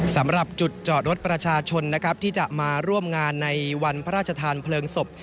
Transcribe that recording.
สำหรับจุดจอดรถประชาชนนะครับที่จะมาร่วมงานในวันพระราชทานเพลิงศพ